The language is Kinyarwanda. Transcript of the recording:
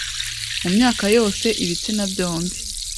mu myaka yose, ibitsina byombi.